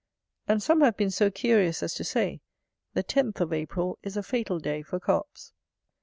And some have been so curious as to say, the tenth of April is a fatal day for Carps.